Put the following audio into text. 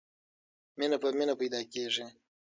مینه په مینه پیدا کېږي.